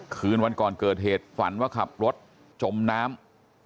คืนวันก่อนเกิดเหตุฝันว่าขับรถจมน้ำ